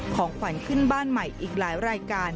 ของขวัญขึ้นบ้านใหม่อีกหลายรายการ